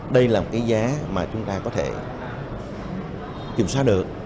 đây là một cái giá mà chúng ta có thể kiểm soát được